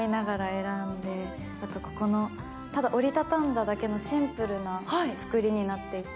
あと、ここのただ折り畳んだだけのシンプルな作りになっていて。